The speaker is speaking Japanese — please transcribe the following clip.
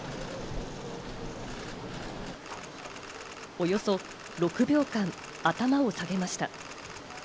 およそ６秒間、頭を下げました。